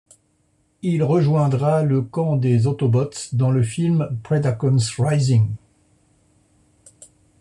Il rejoindra le camp des Autobots dans le Film Predacons Rising.